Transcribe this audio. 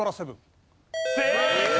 正解！